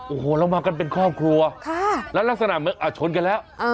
โอ้โหเรามากันเป็นครอบครัวแล้วลักษณะเหมือนอ่ะชนกันแล้ว